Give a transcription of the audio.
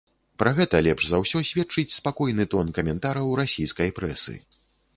Пра гэта лепш за ўсё сведчыць спакойны тон каментараў расійскай прэсы.